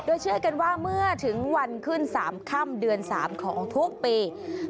โดยเชื่อกันว่าเมื่อถึงวันขึ้น๓ค่ำเดือน๓ของทุกปี